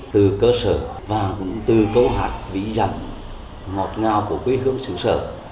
từ cơ sở và cũng từ câu hát vĩ dặn ngọt ngào của quê hương sử sở